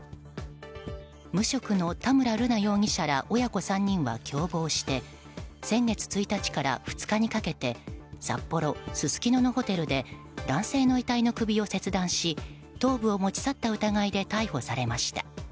無職の田村瑠奈容疑者ら親子３人は、共謀して先月１日から２日にかけて札幌・すすきののホテルで男性の遺体の首を切断し頭部を持ち去った疑いで逮捕されました。